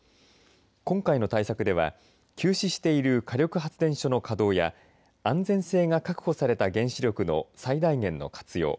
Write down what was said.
今回の対策では休止している火力発電所の稼働や安全性が確保された原子力の最大限の活用